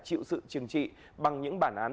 chịu sự chừng trị bằng những bản án